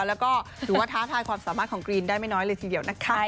แล้วก็ถือว่าท้าทายความสามารถของกรีนได้ไม่น้อยเลยทีเดียวนะคะ